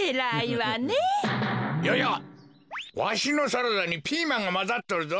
わしのサラダにピーマンがまざっとるぞ。